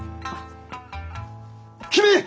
君！